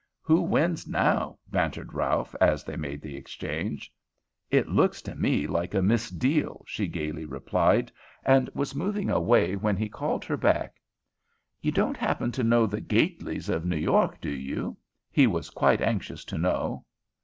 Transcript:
"Who wins now?" bantered Ralph as they made the exchange. "It looks to me like a misdeal," she gaily replied, and was moving away when he called her back. "You don't happen to know the Gately's, of New York, do you?" he was quite anxious to know.